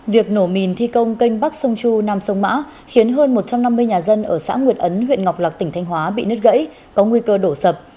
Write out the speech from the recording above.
việc nổ mìn thi công canh bắc sông chu nam sông mã khiến hơn một trăm năm mươi nhà dân ở xã nguyệt ấn huyện ngọc lạc tỉnh thanh hóa bị nứt gãy có nguy cơ đổ sập